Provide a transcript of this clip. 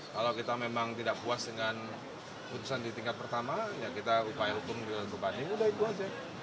kalau kita memang tidak puas dengan keputusan di tingkat pertama ya kita upaya hukum di lantai kebanyakan